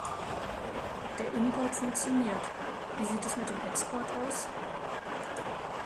Der Import funktioniert. Wie sieht es mit dem Export aus?